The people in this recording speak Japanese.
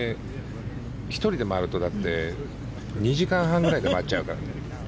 １人で回るとだって２時間半ぐらいで回っちゃうから。